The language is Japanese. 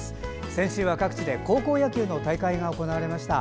先週は各地で高校野球の大会が行われました。